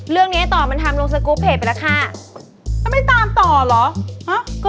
เรื่องกับกูหลึงอะไร